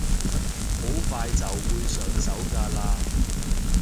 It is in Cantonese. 好快就會上手㗎喇